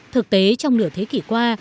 thực tế trong nửa thế kỷ qua